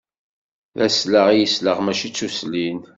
D aslaɣ i yesleɣ, mačči tuslin.